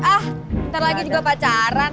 ah bentar lagi juga pacaran